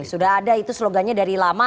sudah ada itu slogannya dari lama